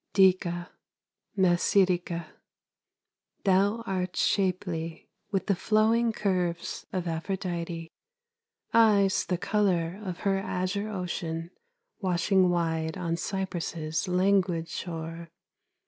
Dica, Mnasidica, thou art shapely With the flowing curves of Aphrodite; Eyes the color of her azure ocean Washing wide on Cyprus' languid shore.